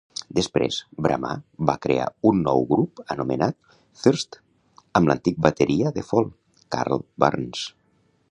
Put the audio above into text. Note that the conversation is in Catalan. Després, Bramah va crear un nou grup anomenat Thirst amb l'antic bateria de Fall, Karl Burns.